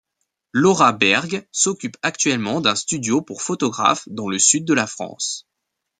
Laura Berg s'occupe actuellement d'un studio pour photographes dans le sud de la France.